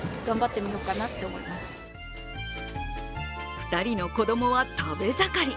２人の子供は食べ盛り。